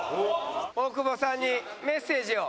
大久保さんにメッセージを。